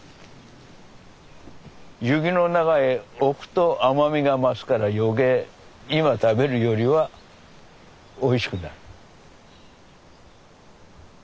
雪の中へおくと甘みが増すから余計今食べるよりはおいしくなる。